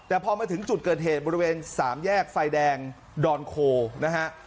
แต่พอมาถึงจุดเกิดเหตุบริเวณสามแยกไฟแดงดอนโคนะฮะ